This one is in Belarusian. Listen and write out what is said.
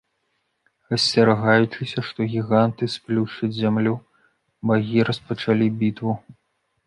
Асцерагаючыся, што гіганты сплюшчаць зямлю, багі распачалі бітву.